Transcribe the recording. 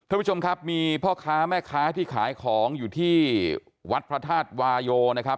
ท่านผู้ชมครับมีพ่อค้าแม่ค้าที่ขายของอยู่ที่วัดพระธาตุวายโยนะครับ